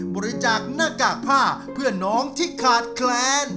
บริจาคหน้ากากผ้าเพื่อนน้องที่ขาดแคลน